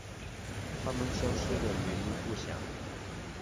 它们消失的原因不详。